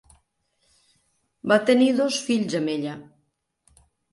Va tenir dos fills amb ella.